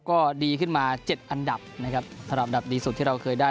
ก็ดีขึ้นมา๗อันดับนะครับสำหรับอันดับดีสุดที่เราเคยได้